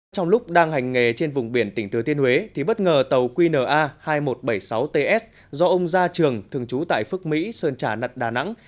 trong lúc đang hành nghề trên vùng biển tỉnh thừa thiên huế thì bất ngờ tàu qna hai nghìn một trăm bảy mươi sáu ts do ông gia trường thường trú tại phước mỹ sơn trả nặt đà nẵng